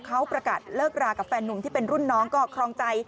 เขาประกาศเลิกรากับแฟนนุ่มที่เป็นรุ่นน้องก็ครองใจ